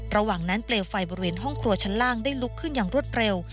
ระหว่างนั้นเปลวไฟบริเวณห้องครัวชั้นล่างได้ลุกขึ้นอย่างรวดเร็ว